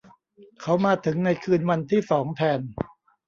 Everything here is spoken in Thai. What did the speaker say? เขามาถึงในคืนวันที่สองแทน